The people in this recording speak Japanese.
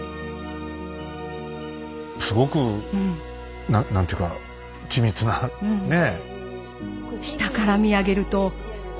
すごく何というか緻密なねえ。